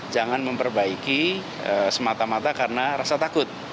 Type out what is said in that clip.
jangan memperbaiki semata mata karena rasa takut